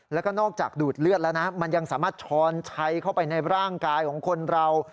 แล้วก็นอกจากดูดเลือดแล้วนะมันยังสามารถช้อนชัยเข้าไปในร่างกายของคนเรา